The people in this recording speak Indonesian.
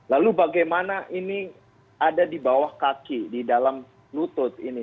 lalu bagaimana ini ada di bawah kaki di dalam lutut ini